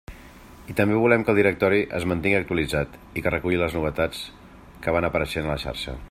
I també volem que el directori es mantingui actualitzat i que reculli les novetats que van apareixent a la xarxa.